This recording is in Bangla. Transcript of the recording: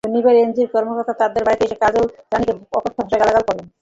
শনিবার এনজিওর কর্মকর্তারা তাঁদের বাড়িতে এসে কাজল রানীকে অকথ্য ভাষায় গালাগাল করেন।